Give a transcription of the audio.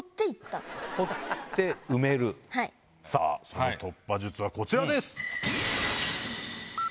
その突破術はこちらです！